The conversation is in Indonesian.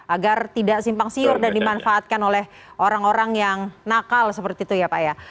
agar tidak simpang siur dan dimanfaatkan oleh orang orang yang nakal seperti itu ya pak ya